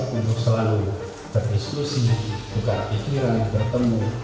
untuk selalu berdiskusi buka pikiran bertemu